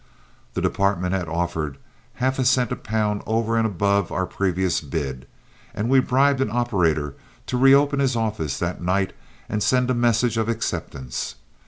The department had offered half a cent a pound over and above our previous bid, and we bribed an operator to reopen his office that night and send a message of acceptance.